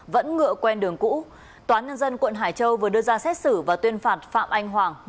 vẫn ngựa quen đường cũ tòa nhân dân quận hải châu vừa đưa ra xét xử và tuyên phạt phạm anh hoàng